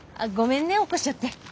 ごめんね起こしちゃって。